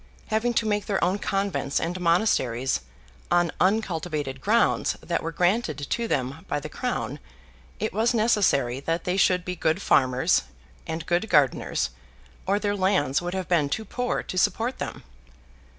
Having to make their own convents and monasteries on uncultivated grounds that were granted to them by the Crown, it was necessary that they should be good farmers and good gardeners, or their lands would have been too poor to support them.